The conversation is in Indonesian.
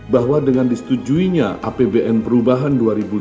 bahwa dengan disetujuinya apbn perubahan dua ribu tujuh belas